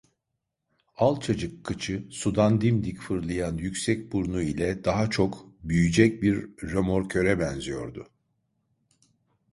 Alçacık kıçı, sudan dimdik fırlayan yüksek burnu ile, daha çok, büyücek bir römorköre benziyordu.